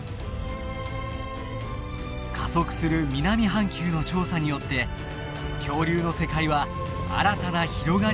加速する南半球の調査によって恐竜の世界は新たな広がりを見せているのです。